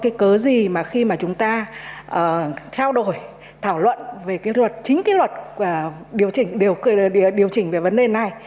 cái cớ gì mà khi mà chúng ta trao đổi thảo luận về cái luật chính cái luật điều chỉnh về vấn đề này